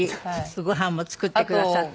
ごはんも作ってくださって。